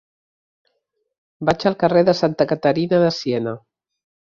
Vaig al carrer de Santa Caterina de Siena.